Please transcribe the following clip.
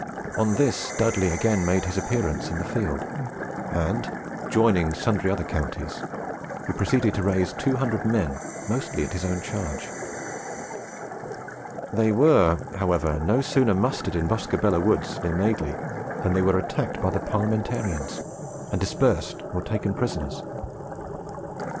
On this Dud Dudley again made his appearance in the field, and, joining sundry other counties, he proceeded to raise 200 men, mostly at his own charge. They were, however, no sooner mustered in Bosco Bello woods near Madeley, than they were attacked by the Parliamentarians, and dispersed or taken prisoners.